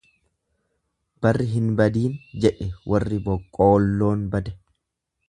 Barri hin badiin jedhe warri boqqoolloon bade.